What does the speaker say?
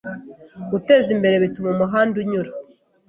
Gutezimbere bituma umuhanda unyura